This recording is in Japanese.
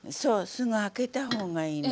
すぐ空けた方がいいの。